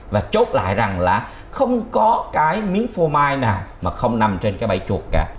và chốt lại rằng là không có cái miếng phô mai nào mà không nằm trên cái bẫy chuột cả